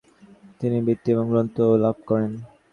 তিনি বৃত্তি এবং গ্রন্থ লাভ করেন।